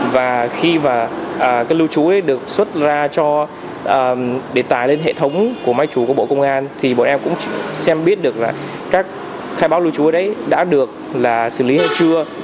và khi lưu trú được xuất ra để tài lên hệ thống của máy chủ của bộ công an thì bọn em cũng xem biết được các khai báo lưu trú đấy đã được xử lý hay chưa